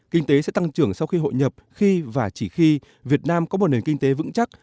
kinh tế sẽ tăng trưởng sau khi hội nhập khi và chỉ khi việt nam có một nền kinh tế vững chắc